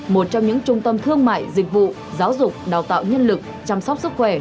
một trong những trung tâm thương mại dịch vụ giáo dục đào tạo nhân lực chăm sóc sức khỏe